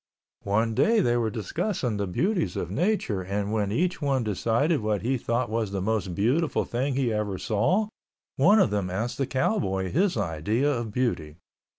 One day they were discussing the beauties of nature and when each one decided what he thought was the most beautiful thing he ever saw one of them asked the cowboy his idea of beauty.